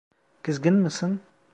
Kızgın mısın?